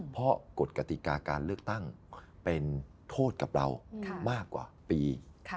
เพราะกฎกติกาการเลือกตั้งเป็นโทษกับเรามากกว่าปี